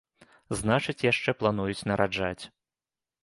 Значыць, яшчэ плануюць нараджаць.